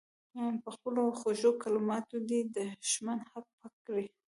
په خپلو خوږو کلماتو دې دښمن هک پک کړي.